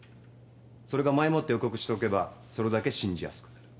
それが前もって予告しておけばそれだけ信じやすくなる。